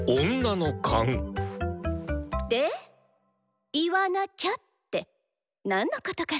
で「言わなきゃ」って何のことかしら？